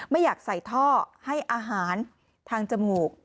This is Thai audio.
ไม่อยากใส่ท่อให้อาหารทางจมูก